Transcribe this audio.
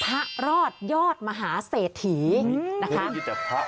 พระรอดยอดมหาเสถีวันนี้มีหนึ่งท่านผู้โชคดีที่จะได้รับไปนะคะ